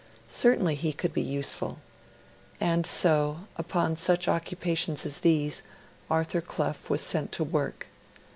Certainly he could be useful. And so, upon such occupations as these, Arthur Clough was set to work.